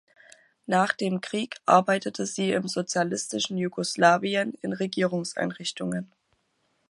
Nach dem Krieg arbeitete sie im sozialistischen Jugoslawien in Regierungseinrichtungen.